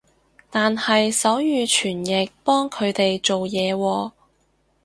但係手語傳譯幫佢哋做嘢喎